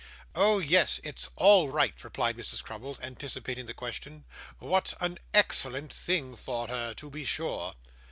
'Oh, yes, it's all right,' replied Mrs. Crummles, anticipating the question. 'What an excellent thing for her, to be sure!